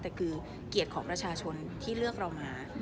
แต่คือเกียรติของประชาชนที่เลือกเรามา